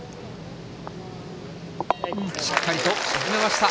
しっかりと沈めました。